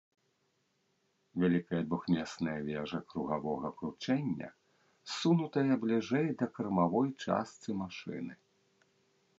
Вялікая двухмесная вежа кругавога кручэння ссунутая бліжэй да кармавой частцы машыны.